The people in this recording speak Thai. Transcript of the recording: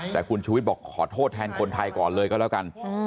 แต่คุณชูวิทย์บอกขอโทษแทนคนไทยก่อนเลยก็แล้วกัน